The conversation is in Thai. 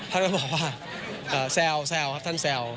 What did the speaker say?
ท่านก็บอกว่าแซวครับท่านแซว